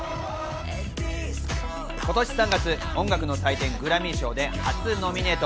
今年３月音楽の祭典グラミー賞で初ノミネート。